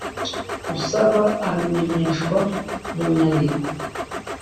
Usaba abimenyeshwa mu nyandiko